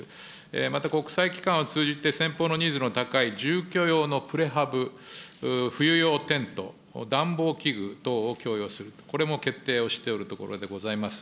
また国際機関を通じて、先方のニーズの高い住居用のプレハブ、冬用テント、暖房器具等を供与する、これも決定をしておるところでございます。